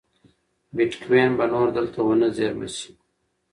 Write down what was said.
بېټکوین به نور دلته ونه زېرمه شي.